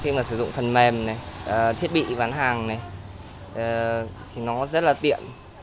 khi mà sử dụng phần mềm này thiết bị bán hàng này thì nó rất là tiện